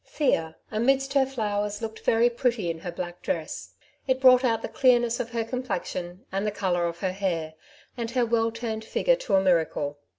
Thea, amidst her flowers, looked very pretty in her black dress. It brought out the clearness of her complexion, and the colour of her hair, and her well turned figure, to a miracle.